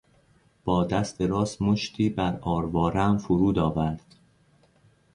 با دست راست مشتی بر آروارهام فرود آورد.